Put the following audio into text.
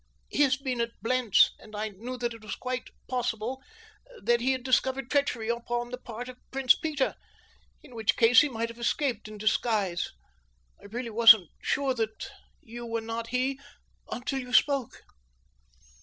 He has been at Blentz and I knew that it was quite possible that he had discovered treachery upon the part of Prince Peter. In which case he might have escaped in disguise. I really wasn't sure that you were not he until you spoke."